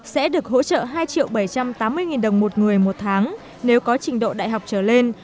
sẽ được hỗ trợ hai bảy trăm tám mươi đồng một người một tháng nếu có trình độ đại học trở lên